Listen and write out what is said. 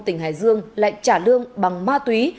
tỉnh hải dương lại trả lương bằng ma túy